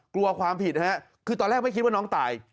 กลัวความผิดนะฮะคือตอนแรกไม่คิดว่าน้องตาย